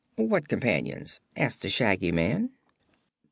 "What companions?" asked the Shaggy Man.